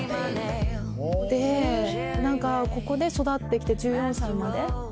で何かここで育ってきて１４歳まで。